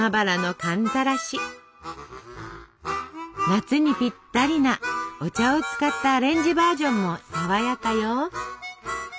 夏にぴったりなお茶を使ったアレンジバージョンも爽やかよ！